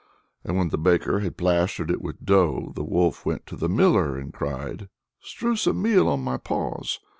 And when the baker had plastered it with dough, the wolf went to the miller and cried, "Strew some meal on my paws."